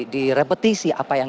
direpetisi apa yang